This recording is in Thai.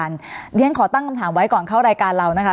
เพราะฉะนั้นเช่นเดียวกันขอตั้งคำถามไว้ก่อนเข้ารายการเรานะคะ